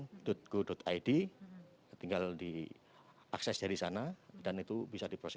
jadi tinggal berkunjung ke djponline gur id tinggal diakses dari sana dan itu bisa diproses